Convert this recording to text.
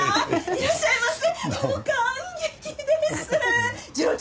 いらっしゃいませ。